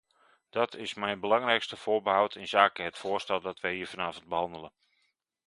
Dat is mijn belangrijkste voorbehoud inzake het voorstel dat wij hier vanavond behandelen.